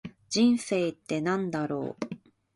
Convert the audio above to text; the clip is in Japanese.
人生って何だろう。